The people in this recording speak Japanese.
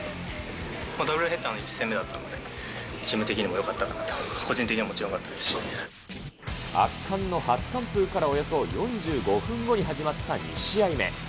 ダブルヘッダーの１戦目だったので、チーム的にもよかったかなと、圧巻の初完封からおよそ４５分後に始まった２試合目。